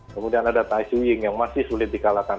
kemudian ada tai hsu ying yang masih sulit di kalahkan